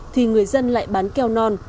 thì người dân lại bán keo non